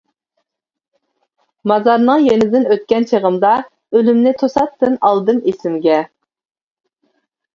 مازارنىڭ يېنىدىن ئۆتكەن چېغىمدا، ئۆلۈمنى توساتتىن ئالدىم ئېسىمگە.